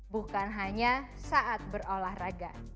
bukan hanya saat berolahraga